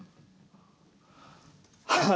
はい。